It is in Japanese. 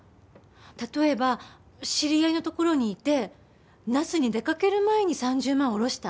例えば知り合いのところにいて那須に出かける前に３０万下ろした。